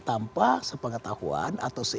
tanpa sepengetahuan atau seidiknya